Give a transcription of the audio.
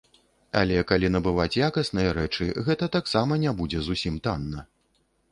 Але калі набываць якасныя рэчы, гэта таксама не будзе зусім танна.